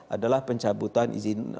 adalah pencabutan izin